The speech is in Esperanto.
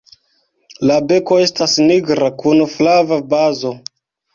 La beko estas nigra kun flava bazo.